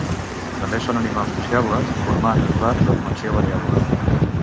També són animals sociables, formant esbarts de dimensió variable.